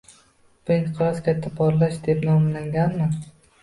Bu inqiroz "Katta portlash" deb nomlanganmi?